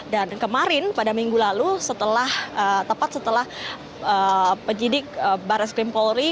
dan kemarin pada minggu lalu setelah tepat setelah penyidik barat scrim polri